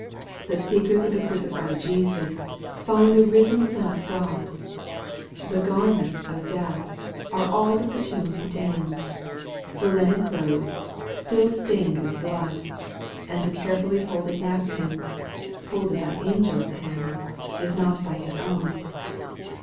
The seekers of the crucified Jesus find the risen Son of God. The garments of death are all that the tomb contains ; the linen clothes, still stained with blood, and the carefully folded napkin, — folded by angels' hands, if not by His own.